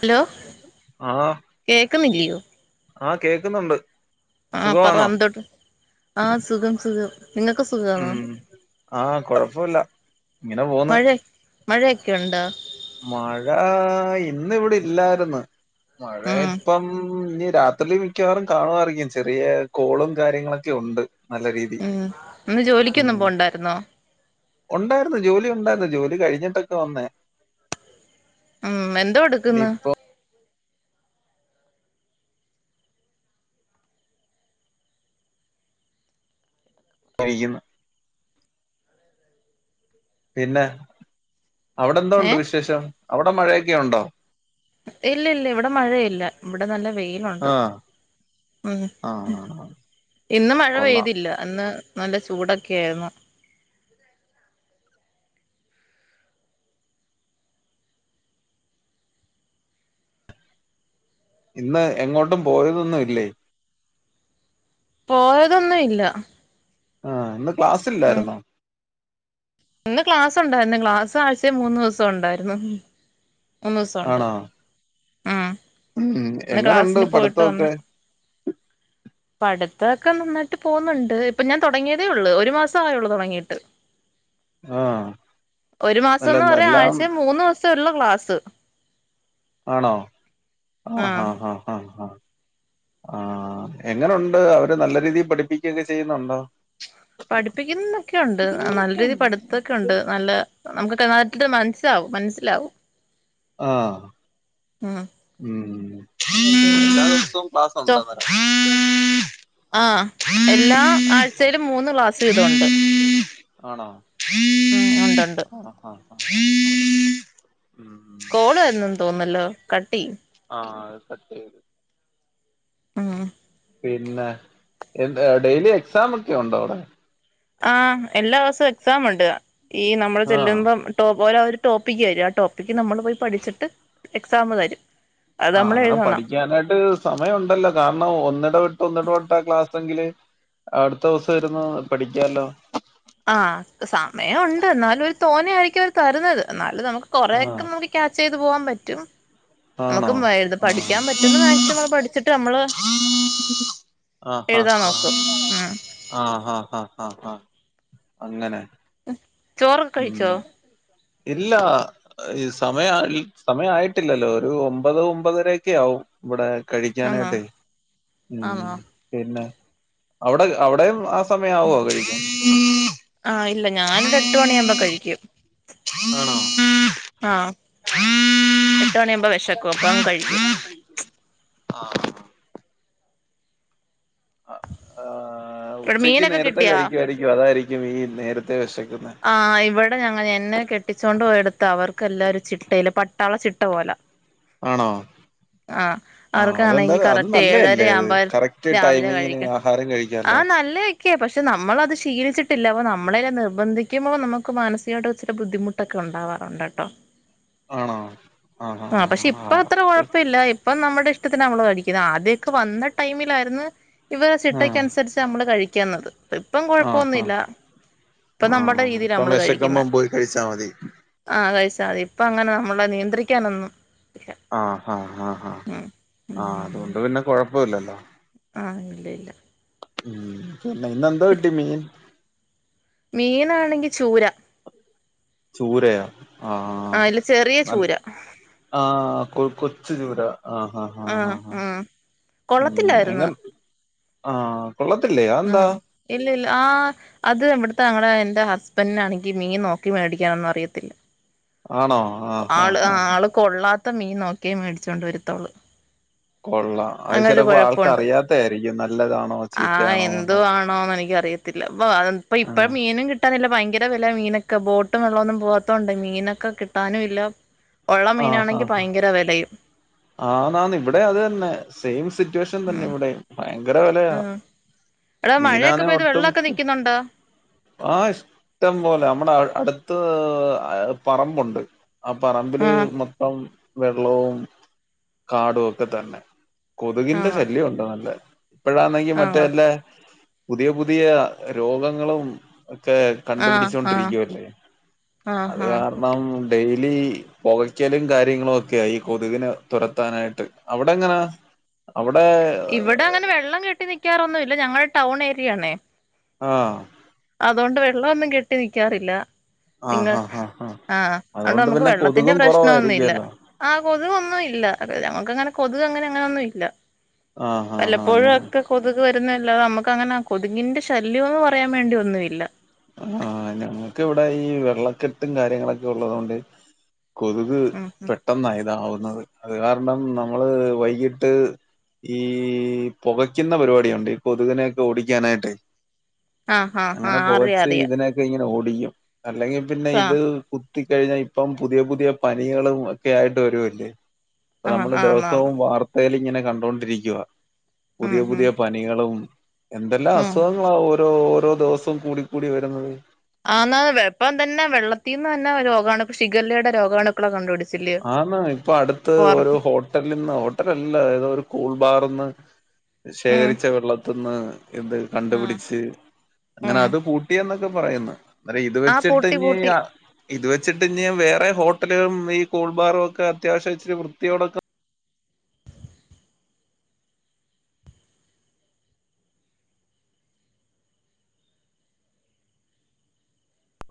Hello ആഹ കേക്കുന്നില്ലയോ ആ കേക്കുന്നുണ്ട് ആഹ് പറ സുഖമാന്നോ എന്തോട്ട് ആഹ് സുഖം സുഖം നിങ്ങൾക്ക് സുഖാണോ ഉം ആഹ കൊഴപ്പില്ല ഇങ്ങനെ പോന്ന് മഴയൊക്കെുണ്ടോ മഴ ഇന്നവിടെ ഇല്ലായിര്ന്ന് മഴ ഉം ഇപ്പം ഇനി രാത്രില് മിക്കവാറും കാണുവായിരിക്കും ചെറിയ കോളും കാര്യങ്ങളൊക്കെ ഉണ്ട് നല്ല രീതി ഉം ന്ന് ജോലിക്കൊന്നും ഉം പോണ്ടായിരുന്നോ ഉണ്ടായിരുന്നു ജോലി ഉണ്ടായിരുന്നു ജോലി കഴിഞ്ഞിട്ടൊക്കെ വന്നേ ഉമ് എന്തോ ഇനി എടുക്കുന്നു ഇപ്പൊ ഴിക്കുന്നു പിന്നെ അവിടെ എന്തോ ണ്ട് ഏഹ് വിശേഷം അവിടെ മഴയൊക്കെ ഉണ്ടോ ഇല്ല ല്ല ഇവിടെ മഴയില്ല ഇവിടെ നല്ല വെയിലുണ്ട് ആഹ് ഉമ് ആഹ് ഇന്ന് മഴ കൊള്ളാം പെയ്തില്ല ന്ന് നല്ല ചൂടൊക്കെ ആയിരുന്നു ഇന്ന് എങ്ങോട്ടും പോവ്നൊന്നും ഇല്ലേ പോയതൊന്നുല്ല ആഹ് ഇന്ന് ക്ലാസ്സില്ലായിരുന്നോ ഇന്ന് ക്ലാസ് ഉണ്ടായിരുന്നു ക്ലാസ് ആഴ്ച മൂന്ന് ദിവസം ഉണ്ടായിരുന്നു മൂന്ന് ദിവസമുണ്ട് ആണോ ഉം ന്ന് എങ്ങനുണ്ട് ക്ലാസ്സിന് പോയിട്ട് പഠിത്തമൊക്കെ വന്ന് പഠിത്തൊക്കെ നന്നായിട്ട് പോവുന്നുണ്ട് ഇപ്പൊ ഞാൻ തൊടങ്ങിയതേ ഉള്ളൂ ഒരു മാസം ആയുള്ളൂ തൊടങ്ങീട്ട് ആഹ് ഒരു അല്ല മാസംന്ന് പറയാ എല്ലാം ആഴ്ചേ മൂന്നൂസ് ള്ളു ക്ലാസ് ആണോ ആഹ് ആഹ് ആഹ് ആഹ് ഹ ആഹ് എങ്ങനുണ്ട് അവര് നല്ല രീതിൽ പഠിപ്പിക്കൊക്കെ ചെയ്യുന്നുണ്ടോ പഠിപ്പിക്കുന്നൊക്കെയുണ്ട് നല്ല രീതിൽ പഠിത്ത ണ്ട് നല്ല നമുക്കൊക്കെ മറ്റത് മനസിലാവും മനസ്സിലാവും ആഹ് ഉം ഉം ഇത് എല്ലാ ദിവസും ക്ലാസ് ചോ ഉണ്ടോ നിനക്ക് ആഹ് എല്ലാ ആഴ്ചയിലും മൂന്ന് ക്ലാസ്സു വീതോണ്ട് ആണോ ഉം ഉണ്ട് ഉണ്ട് ആഹ് ഉം ഉം കോള് വരുന്നുന്ന് തോന്നുന്നല്ലോ കട്ടിയ്യ് ആഹ് അത് കട്ടീതു ഉം പിന്നെ എന്താ ഡെയിലി എക്സാം ഒക്കെ ഉണ്ടോ അവടെ ആഹ് എല്ലാ ഊസോം എക്സാം ഉണ്ട് ഈ നമ്മള് ആഹ് ചെല്ലുമ്പോ ടോ പോലെ ഒരു ടോപ്പിക്ക് തരും ആ ടോപ്പിക്ക് നമ്മള് പോയി പഠിച്ചിട്ട് എക്സാം തരും അത് ആഹ് നമ്മൾ അങ്ങനെ എഴുതണം പഠിക്കാനായിട്ട് സമയം ഉണ്ടല്ലോ കാരണം ഒന്നിടവിട്ട് ഒന്നിടവിട്ട ക്ലാസ്സെങ്കില് അടുത്തൂസം ഇരുന്നു പഠിക്കാലോ ആഹ് സമയൊണ്ട് എന്നാലും ഒരു തോന്നെ ആയിരിക്കും അവര് തരുന്നത് ന്നാലും നമുക്ക് കൊറെക്കെ നമുക്ക് മുക്കി ക്യാച്ച് ചെയ്ത് പോവാൻ പറ്റും നമുക്ക് ആണോ മയ്ഴു പഠിക്കാൻ പറ്റുന്ന മാക്സിമം പഠിച്ചിട്ട് നമ്മള് ഹാ എഴുതാൻ നോക്കും ഉം ആഹ് ആഹ് ആഹ് ആഹ് ആഹ് അങ്ങനെ ചോറൊക്കെ ഉം കഴിച്ചോ ഇല്ല ഈ സമയം ആയി സമയായിട്ടില്ലല്ലോ ഒരു ഒമ്പത് ഒമ്പതരക്കെ ആവും ഇവടെ ആന്നോ കഴിക്കാനായിട്ട് ഉം ആന്നോ പിന്നെ അവിടെ അവിടെയും ആ സമയവോ കഴിക്കാൻ ആഹ് ഇല്ല ഞാനൊരു എട്ട് മണിയാവുമ്പോ കഴിക്കും ആണോ ആഹ് എട്ട് മണിയാവുമ്പോ വെശക്കും അപ്പങ്ങ് കഴിക്കും ആഹ് ആഹ് ഇവിടെ ഉച്ചക്ക് മീനൊക്കെ നേരത്തെ കിട്ടിയാ കഴിക്കുവായിരിക്കും അതായിരിക്കും ഈ നേരത്തെ വെശക്കുന്നേ ആ ഇവടെ ഞങ്ങ എന്നെ കെട്ടിച്ചോണ്ട് പോയോടുത്ത് അവർക്കെല്ലാ ഒരു ചിട്ടേല് പട്ടാള ചിട്ട പോലാ ആണോ ആഹ് അതെന്താ അവർക്കാണെങ്കി അത് കറക്റ്റ് ഏഴര നല്ലയല്ലേ അത് ആവുമ്പോ കറക്റ്റ് രാവിലെ ടൈമിങ്ങിന് ആഹ് അഹാരം കഴിക്കാല്ലോ ക്കെ പക്ഷെ നമ്മളത് ശീലിച്ചിട്ടില്ല അപ്പോ നമ്മളെക്കെ നിർബന്ധി ക്കുമ്പോ നമ്മുക്ക് മാനസികായിട്ട് ഇച്ചിരി ബുദ്ധിമുട്ടൊക്കെ ഉണ്ടാവാറുണ്ട് ട്ടോ ആണോ ആഹ് ആഹ് ആഹ് ആഹ് ആഹ് ഇപ്പ ഇല്ല ഇപ്പം നമ്മുടെ ഇഷ്ടത്തിനാ നമ്മള് കഴിക്കുന്നെ ആദ്യക്കെ വന്ന ടൈമിലായിരുന്ന് ഇവര് ചിട്ടയ്ക്ക് ആഹ് അനുസരിച്ച നമ്മള് കഴിക്കുന്നത് ഇപ്പം കൊഴപ്പൊന്നു ഇല്ല ഇപ്പൊ നമ്മ ഉം ഉം ഇപ്പം വെശക്കുമ്പം പോയി കഴിച്ചാ മതി ആഹ് കഴിച്ചാ മതി ഇപ്പ അങ്ങനെ നമ്മളെ നിയന്ത്രിക്കാനൊന്നും ഇല്ല ആഹ് അഹാ ആഹ് ആഹ് ആഹ് ഇല്ലല്ലേ അതോണ്ട് പിന്നെ കൊഴപ്പുല്ലല്ലോ ആഹ് ഇല്ല ഇല്ല ഉം പിന്നെ ഇന്നെന്തോ പിന്നെ കിട്ടി മീൻ മീനാണെങ്കി ചൂര ചൂരയെ ആയില് ചെറിയ ചൂര ആഹ് കൊ കൊച്ചു ചൂര ആ ഹാ ഹാ ഹാ ആഹ് ഹാ ആഹ് കൊള്ളത്തില്ലായിരുന്നു എങ്ങൻ ആഹ് കൊള്ളത്തില്ലേ അയ് എന്താ ആഹ് ഇല്ല ഇല്ല ആ അത് ഇവിടുത്തെ ഞങ്ങടെെ എന്റെ ഹസ്ബൻഡിനാണെങ്കിൽ മീൻ നോക്കി മേടിക്കാനൊന്നും അറിയത്തില്ല ആണോ ആഹ് ആള് ആഹ് ആ ആഹ് ആള് കൊള്ളാത്ത മീൻ നോക്കിയേ മേടിച്ചോണ്ട് വരുത്തോള്ളൂ കൊള്ളാം അത് അങ്ങനെ ഒരു ചെലപ്പോ കുഴപ്പമുണ്ട് ആൾക്കറിയാത്തായിരിക്കും നല്ലതാണോ ആ ചീത്തയാണോ എന്നുള്ളത് എന്തുവാണോന്ന് എനിക്കറിയ ത്തില്ല ഇപ്പം ആഹ് മീനും കിട്ട കിട്ടാനില്ല ഭയങ്കര വില മീനൊക്കെ ബോട്ടും വെള്ളമൊന്നും പോവാത്തോണ്ട് മീനൊക്കെ കിട്ടാനും ഇല്ല ഉള്ള മീനാണെങ്കിൽ ഭയങ്കരം വിലയും ആന് ആന് ഇവിടെ അത് തന്നെ സെയിം സിറ്റുവേഷൻ തന്നെ ഇവിടെ ഭയങ്കരം വിലയാ ആഹ് എടാ മഴയൊക്കെ മീനാണെ പെയ്ത് ഒട്ടും വെള്ളമൊക്കെ നിക്കുന്നുണ്ടോ ആഹ ഇഷ്ടം പോലെ നമ്മടെ അടുത്ത് പറമ്പുണ്ട് ആ പറമ്പ് റമ്പില് ആഹ് മൊത്തം വെള്ളവും കാടും ഒക്കെ തന്നെ കൊതുകിന്റെ ആണോ ശല്യം ഉണ്ട് നല്ല ഇപ്പഴാന്നെങ്കി മറ്റേ ആണോ അല്ലേ പുതിയ പുതിയ രോഗങ്ങളും ഒക്കെ ആഹ് ആഹ് കണ്ടുപിടിച്ചൊണ്ടിരിക്കുവല്ലേ ആഹ് അത് ആഹ് കാരണം ഡെയിലി പുകയ്ക്കലും കാര്യങ്ങളും ഒക്കെയ ഈ കൊതുകിനെ തുരത്താനായിട്ട് അവിടെ എങ്ങനാ അവിടെ ഇവിടെ അങ്ങനെ വെള്ളം കെട്ടി നിക്കാറൊന്നു ഇല്ല ഞങ്ങളുടെ ടൗൺ ഏരിയ ആണേ ആഹ് അതുകൊണ്ട് വെള്ളമൊന്നും കെട്ടി നിക്കാറില്ല ആഹ് നിങ്ങൾ ഹാ ഹാ ഹാ ആഹ് അത് കെണ്ട് അതുകൊണ്ട് നമുക്ക് പിന്നെ വെള്ളത്തിന്റെ കൊതുകും പ്രശ്നം ഒന്നും ഇല്ല കുറവായിരിക്കുവല്ലോ ആഹ് കൊതുുകൊന്നും ഇല്ല ഞങ്ങക്ക് അങ്ങനെ കൊതുക് അങ്ങനെ അങ്ങനെൊന്നും ഇല്ല ആഹ് ആഹ് ഹാ വലപ്പോഴും ഞങ്ങ ഒക്കെ കൊതുക് വരുന്നല്ലാ നമുക്ക് അങ്ങനെ കൊതുുകങ്ങിന്റെ ശല്യം ഒന്ന് പറയാൻ വേണ്ടിയോ ഒന്നുമില്ല ആഹ് ഞങ്ങൾക്ക് ഇവിടെ ഈ വെള്ളക്കെട്ടും കാര്യങ്ങളൊക്കെ ഉള്ളതുകൊണ്ട് കൊതുക് ഉം ഉം പെട്ടെന്ന ഇതാവുന്നത് അത് കാരണം നമ്മള് വൈകിട്ട് ഈ പുകയ്ക്കുന്ന പരിപാടിയുണ്ട് കൊതുകിനെൊക്കെ ഓടിക്കാനായിട്ടേ ആഹ് ആഹ് ആഹ് അറിയ അറിയാം ഇതിനൊക്കെ ഇങ്ങനെ ഓടിക്കും അല്ലെങ്കിൽ പിന്നെ ആഹ് ഇത് കു കുത്തി കഴിഞ്ഞാൽ ഇപ്പം പുതിയ പുതിയ പനികളും ഒക്കെ ആയിട്ട് വരു വല്ലേ ആഹ് നമ്മള് ആന്നാന്ന് ദിവസവും വാർത്തയിൽ ഇങ്ങനെ കണ്ടൊണ്ടിരിക്കവാ ഉം പുതിയ ഉം പുതിയ പനി പനികളും എന്തെല്ലാം ഉം അസുഖങ്ങളാ ഓരോ ഓരോ ദിവസം കൂടി കൂടി വരുന്നത് ആന്നാ ഇപ്പം തന്നെ വെള്ളത്തിൽന്ന് തന്നെ രോഗമാണ് ഇപ്പം ശിഖലയുടെ രോഗാണ് ളെ കണ്ട് പിടിച്ചില്ലേ ആന്നാ ഇപ്പൊ അടുത്ത് ഒരു ഹോട്ടലന്ന് ഹോട്ടലല്ല ഏതാ ഒരു കൂൾബാർന്ന് ഉം ശേഖരിച്ച വെള്ളത്ത്ന്ന് എന്ത് ഉം കണ്ടുപിടിച്ച് അങ്ങനെ ഉം അത് പു ട്ടി എന്നൊക്കെ പറയുന്നു അ ഇത് ആഹ് വെച്ചിട്ട് പൂട്ടി ഇനി പൂട്ടി ഇത് വെച്ചിട്ട് ഞ് വേറെ ഹോട്ടലും ഈ കോൾബാറും ഒക്കെ അത്യാവശ്യം ഇച്ചിരി വൃത്തിയോടൊക്കെ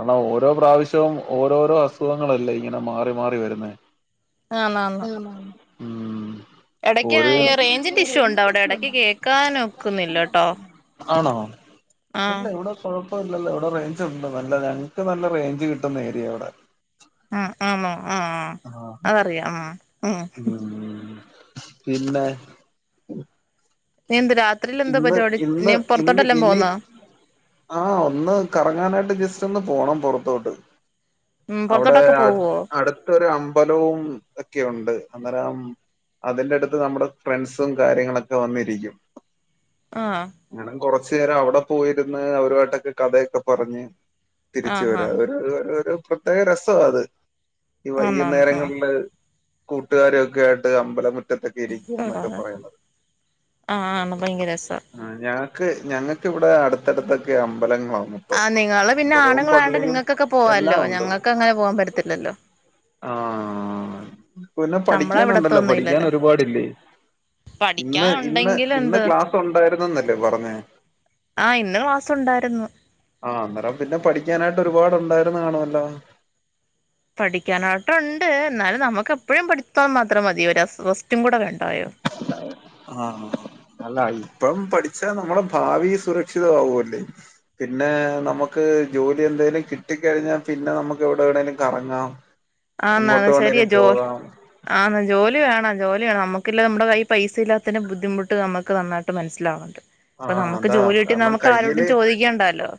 ആണ ഓരോ പ്രാവശ്യവും ഓരോരോ അസുഖങ്ങളല്ലേ ഇങ്ങനെ മാറി മാറി വരുന്നത് [unintelligible] ആന്നാന്ന് മ് ഇടയ്ക്ക് ഓര് റേഞ്ചിന്റെ ഇഷ്യൂ ഉണ്ടോ അവിടെ ഇടയ്ക്ക് കേക്കാൻ ഒക്കുന്നില്ല ട്ടോ ആണോ? ആഹ് ഇല്ല ഇവിടെ കൊഴപ്പ ഇല്ലല്ലോ ഇവിടെ റേഞ്ച് ഉണ്ട് നല്ല ഞങ്ങക്ക് നല്ല റേഞ്ച് കിട്ടുന്ന ഏരിയ ഇവിടെ ആ ആണോ ആഹ ആ ആഹ് അതറിയാം ആ ഉ ഉം പിന്നെ നീ എന്ത് രാത്രിൽ എന്താ ഇന്ന് പരിപടി ഇന്ന് നീ പുറത്തോട്ടെല്ലാം പോകന്നാ ആഹ ഒന്ന് കറങ്ങാനായിട്ട് ജസ്റ്റ് ഒന്ന് പോണം പുൊറത്തോട്ട് ഉം ഔടെ പുറത്തോട്ടൊക്കെ അടു പോവോ അടു ഒരു അമ്പലും ഒക്കെയുണ്ട് അന്നേരം അതിറടുത്ത് നമ്മുടെ ഫ്രണ്ട്സും കാര്യങ്ങളൊക്കെ വന്നിരിക്കും ആ ഞൻ കുറച്ചു നേരം അവിടെ പോയിരുന്ന് അവരുമായിട്ടൊക്കെ കഥയൊക്കെ പറഞ്ഞ് തിരിച്ചു ആഹ് വരാ ആഹ് ഒരു അ ഒരു പ്രത്യേക രസാ അത് ഈ ആന്നാന്ന് വൈകുന്നേരങ്ങളില് കൂട്ടുകാരൊക്കെ ആയിട്ട് അമ്പലമ മുറ്റത്തൊക്കെ ഇരിക്കുക എന്നൊക്കെ പറയുന്നത് ആ ആ ഭയങ്കര രസമാണ് ആ ഞങ്ങൾക്ക് ഞങ്ങൾക്കിവിടെ അടുത്തടുത്തൊക്കെ അമ്പലങ്ങളന്ന ആ നിങ്ങള്ൾ പിന്നെ ആണുങ്ങളായണ്ട് നിങ്ങൾക്കൊക്കെ എല്ലാം പോവാല്ലോ ഉണ്ട് ഞങ്ങൾക്ക് അങ്ങനെ പോവാൻ പറ്റത്തില്ലല്ലോ ആഹ പിന്നെ നമ്മളെ പഠിക്കാനുണ്ടല്ലോ ഇവിടത്തൊന്നും പഠിക്കാൻ ഇല്ലല്ലോ ഒരുപാടില്ലേ ഇന്ന് ഇന്ന് പഠിക്കാനുണ്ടെങ്കിൽ ഇന്ന് എന്ത് ക്ലാസ്സ് ഉണ്ടായിരുന്നന്നല്ലേ പറഞ്ഞേ ആഹ് ഇന്ന് ക്ലാസ് ഉണ്ടായിരുന്നു ആഹ് അന്നേരം പിന്നെ പഠിക്കാനായിട്ട് ഒരുപാട്ണ്ടായിരുന്നു കാണുമല്ലോ പഠിക്കാനായിട്ട ഉണ്ട് എന്നാലും നമുക്ക് എപ്പോഴും പഠിച്ചത്താൽ മാത്രം മതിയോ ഒവസ്റ്റും കൂടെ വേണ്ടായോ [unintelligible] ആഹ അല്ല ഇപ്പം പഠിച്ചാ നമ്മടെ ഭാവി സുരക്ഷിതമാവുവല്ലേ പിന്നെ നമുക്ക് ജോലി എന്തേലും കിട്ടിക്കഴിഞ്ഞാൽ പിന്നെ നമുക്ക് എവിടെ വേണെങ്കിലും കറങ്ങാം എങ്ങോട്ട് വേണെലും പോവാം ആ ജോലി വേണം ജോലി വേണം നമുക്കില്ല നമ്മുടെ കൈ പൈസാ ഇല്ലാത്തിന് ബുദ്ധിമുട്ട് നമുക്ക് നന്നായിട്ട് മനസ്സിലാവാം അപ്പൊ ആഹ് നമുക്ക് അതാ ജോലി കിട്ടി കാരണം നമുക്ക് ആരോട്ടും കയ്യില് ചോദിക്കേണ്ടല്ലോ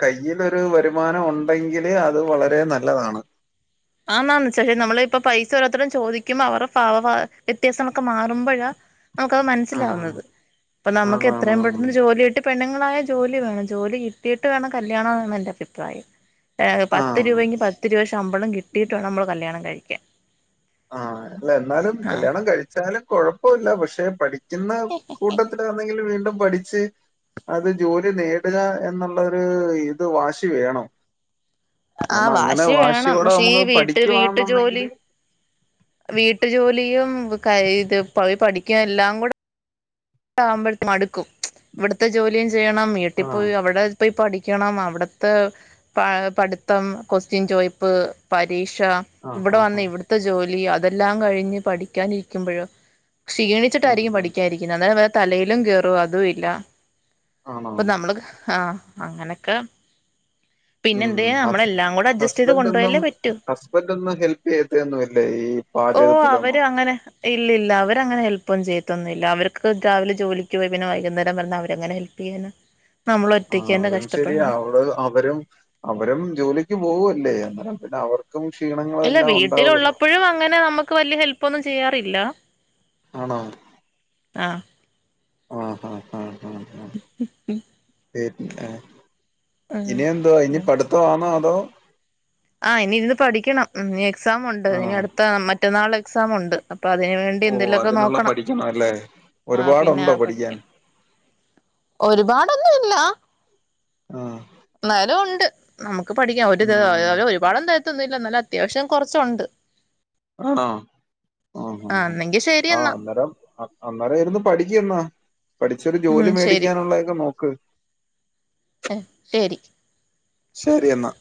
കയ്യിലൊരു വരുമാനം ഉണ്ടെങ്കില് അത് വളരെ നല്ലതാണ് ആ എന്നാന്ന് വച്ചേ നമ്മള ഇപ്പ പൈസ ഓരോത്തരം ചോദിക്ക്പോ അവ പാവ വ്യത്യാസങ്ങളൊക്കെ മാറുമ്പോഴാ നമുക്കത് ആഹ് മനസ്സിലാവുന്നത് അപ്പ നമുക്ക് എത്രയും ആണാണാണ് പെട്ടന്ന് ജോലിയ ആട്ട് പെണ്ണുങ്ങളായ ജോലി വേണം ജോലി കിട്ടീട്ട് വേണം കല്യാണം എന്നാണ് എൻ് അഭിപായം പത്ത് ആഹ് രൂപെങ്കി പത്ത് രൂപ ശമ്പളം കിട്ടിയിട്ട് വേണം നമ്മള് കല്യാണം കഴിക്കാൻ ആഹ അല്ല എന്നാലും ആഹ് കല്യാണം കഴിച്ചാലും കൊഴപ്പമില്ല പക്ഷെ പഠി ഇന്ന് കൂട്ടത്തിലാന്നെങ്കിലും വീണ്ടും പഠിച്ച് അത് ജോലി നേടുക എന്നുള്ളരു ഇത് വാശി വേണം ആഹ കാരണം അങ്ങനെ വാശി വേണം വാശിയോടെ പക്ഷെ ഈ നമുക്ക് വീട്ട് വീട്ടു ജോലി പഠിക്കുവാന്നുണ്ടെങ്കില് വീട്ടു ജോലിയും ഇത് പ പഠിക്കും എല്ലാം കൂടെ ആകുമ്പോയേക്ക് മടുക്കും ഇവിടുത്തെ ജോലിയും ചെയ്യണം ആഹ് വീട്ടിൽപ്പോയി അവിടെ പ്പയി പഠിക്കണം അവിടുത്തെ പ പഠിത്തം ക്യുസ്റ്ൻ ചോയിപ്പ്, പരീക്ഷ, ആഹ് ഇവിടെ ആഹ് വന്ന ആഹ് ഇവിടുത്തെ ജോലി അതെല്ലാം കഴിഞ്ഞ് പഠിക്കാന ഇരിക്കുമ്പോഴോ ക്ഷീണി ഉം വച്ചിട്ടായിരിക്കും ഉം പഠിക്കായിരിക്കുന്നത് അതായത് വേ തലയിലും കേയറും അതും ഇല്ല ആണോ ഇപ്പൊ നമ്മള് ആഹ അങ്ങനെയൊക്കെ ഉം ഹസ്ബൻറ് ഒന്നും കൊണ്ടുപോയല്ലേ പറ്റൂ ഹസ്ബന്റോന്നും ഹെൽപ് ചെയ്യതൊന്നുല്ലേ ഈ പാചകത്തിലന്നു ഇല്ല ഇല്ല അവരങ്ങനെ ഹെൽപ്പ ഒന്നും ചെയ്ത്തൊന്നുല്ല അവർ രാവിലെ ജോലിക്ക് പോയി പിന്നെ വൈകുന്നേരം വര്ണ അവരെങ്ങനെ ഹെല്പ് ചെയ്യാന ആഹ് അതും ശരിയാ അവിടെ അവരും അവരും ജോലിക്ക് പോവല്ലേ അന്നേരം പിന്നെ അവർ ക്കും ക്ഷീണം ഇല്ല വീട്ടിലുള്ളപ്പോഴും അങ്ങനെ നമുക്ക് വല്യ ഹെല്പ ഒന്നും ചെയ്യാറില്ല ആണോ ആഹ് ആഹഹാ ഹാ ഹാ ഉം ഇനിിയ അോ ഇനി ഉം പഠിത്തവാണോ അതോ ആഹ് ഇനി ഇരുന്ന് പഠിക്കണം ഇനി എക്സാം ഉണ്ട് ആണോ ഇനി അടുത്ത മറ്റന്നാള് എക്സാം ഉണ്ട് അപ്പൊ അതി നോക്കണംന് വേണ്ടി ഓഹ് എന്തെലുമൊക്കെ നോക്കണം പഠിക്കണല്ലേ ആ പിന്നെ ഒരുപാടുണ്ടോ പഠിക്കാൻ? പഠിക്കണം ഒരുപാടൊന്നും ഇല്ല ആഹ് എന്നാലും ഉണ്ട് നമുക്ക് പഠിക്കാം ഒരിത് ഉം ഒരുപാടൊന്നും തരത്തോന്നില്ല അത്യാവശ്യം കുറച്ചുണ്ട് ആഹ് ആഹ് എന്നെങ്കി ശരി ആഹ് എന്നാ അന്നേരം അന്നേരായിരുന്നു പഠിക്ക എന്നാ പഠിച്ചരു ഉം ജോലി ശരി മേടിക്കാനുള്ളതൊക്കെ നോക്ക് ആഹ് ശരി ശരി എന്നാ